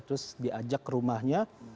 terus diajak ke rumahnya